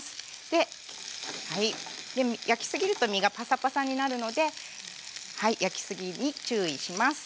で焼き過ぎると身がパサパサになるので焼き過ぎに注意します。